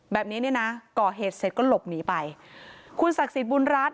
แบบนี้เนี่ยนะก่อเหตุเสร็จก็หลบหนีไปคุณศักดิ์สิทธิบุญรัฐ